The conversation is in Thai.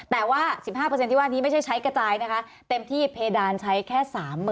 แต่ว่า๑๕ที่ว่านี้ไม่ใช่ใช้กระจายนะคะเต็มที่เพดานใช้แค่๓๐๐๐